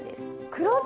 黒酢？